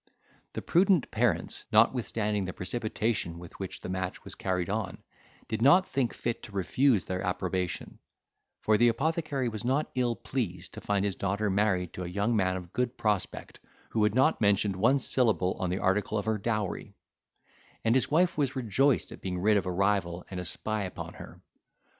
The prudent parents, notwithstanding the precipitation with which the match was carried on, did not think fit to refuse their approbation; for the apothecary was not ill pleased to find his daughter married to a young man of a good prospect, who had not mentioned one syllable on the article of her dowry; and his wife was rejoiced at being rid of a rival and a spy upon her.